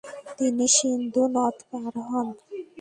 তিনি সিন্ধু নদ পার হন।